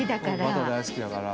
バター大好きだから。